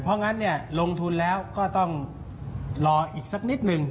เพราะงั้นเนี่ยลงทุนแล้วก็ต้องรออีกสักนิดหนึ่ง